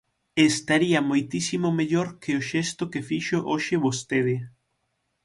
Estaría moitísimo mellor que o xesto que fixo hoxe vostede.